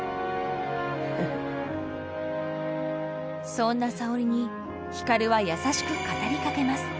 そんな沙織に光は優しく語りかけます。